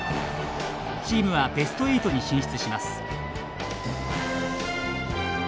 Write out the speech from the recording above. チームはベスト８に進出します。